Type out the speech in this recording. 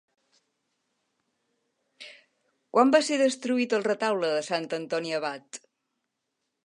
Quan va ser destruït el Retaule de Sant Antoni Abat?